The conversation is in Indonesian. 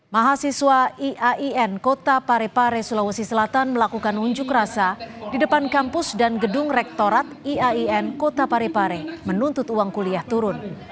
mahasiswa iain kota parepare sulawesi selatan melakukan unjuk rasa di depan kampus dan gedung rektorat iain kota parepare menuntut uang kuliah turun